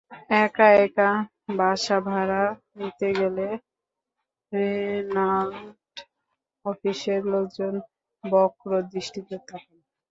একা একা বাসা ভাড়া নিতে গেলে রেন্টাল অফিসের লোকজন বক্র দৃষ্টিতে তাকান।